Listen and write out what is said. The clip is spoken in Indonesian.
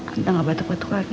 nanti gak batuk batuk lagi